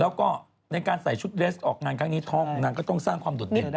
แล้วก็ในการใส่ชุดเรสออกงานครั้งนี้ท้องของนางก็ต้องสร้างความโดดเด่น